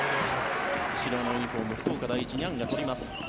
白のユニホーム、福岡第一ニャンがとります。